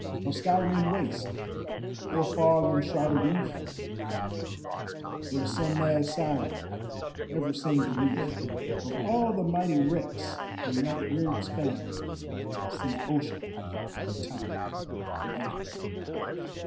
Of sky rimmed waste, or fog enshrouded reef, Where some mad siren ever sings the grief Of all the mighty wrecks in that weird span Since ocean and time began.